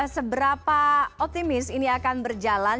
seberapa optimis ini akan berjalan